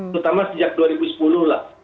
terutama sejak dua ribu sepuluh lah